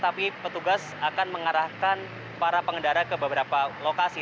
tapi petugas akan mengarahkan para pengendara ke beberapa lokasi